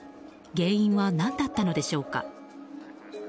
原因は何だったのでしょうか？